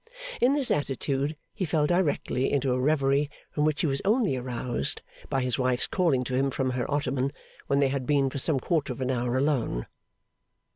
In this attitude he fell directly into a reverie from which he was only aroused by his wife's calling to him from her ottoman, when they had been for some quarter of an hour alone.